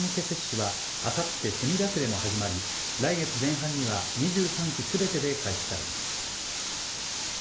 接種は、あさって墨田区でも始まり、来月前半には２３区すべてで開始されます。